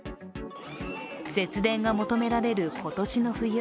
節電が求められる今年の冬。